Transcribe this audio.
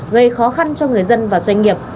gây khó khăn cho người dân và doanh nghiệp